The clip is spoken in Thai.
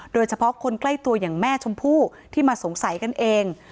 โดยเฉพาะคนใกล้ตัวอย่างแม่ชมพู่ที่มาสงสัยกันเอง